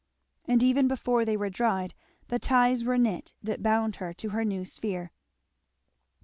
And even before they were dried the ties were knit that bound her to her new sphere.